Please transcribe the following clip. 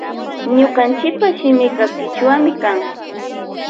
Ñukanchipa shimika kichwami kan.